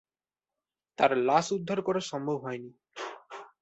তাঁর লাশ উদ্ধার করা সম্ভব হয় নি।